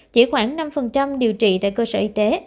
chỉ khoảng năm điều trị tại cơ sở y tế